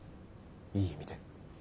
いい意味で。